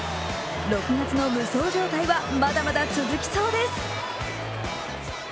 ６月の無双状態は、まだまだ続きそうです。